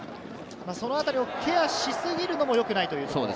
そのあたりをケアしすぎるのもよくない。